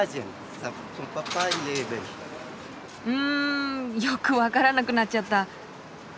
うんよく分からなくなっちゃった。